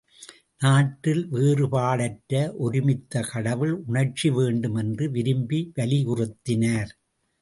நாட்டில் வேறுபாடற்ற ஒருமித்த கடவுள் உணர்ச்சி வேண்டும் என்று விரும்பி வலியுறுத்தினார்.